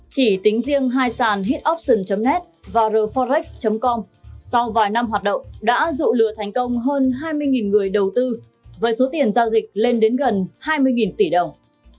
chỉ tính riêng hai sàn hepoption net và rforex com sau vài năm hoạt động đã dụ lừa thành công hơn hai mươi người đầu tư với số tiền giao dịch lên đến gần hai mươi tỷ đồng